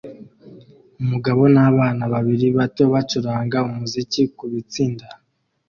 Umugabo nabana babiri bato bacuranga umuziki kubitsinda